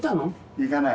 行かない。